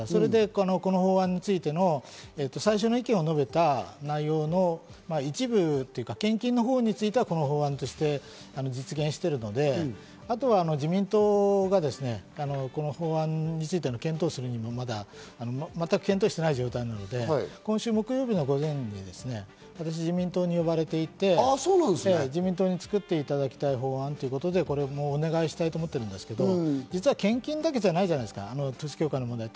それでこの法案についての最初の意見を述べた内容の一部というか献金のほうについては、この法案で実現しているのであとは自民党がこの法案についての検討を全くしていない状態なので今週木曜日の午前に自民党に呼ばれていて、自民党に作っていただきたい法案ということでお願いしたいと思ってるんですけど、実は献金だけじゃないじゃないですか、統一教会の問題は。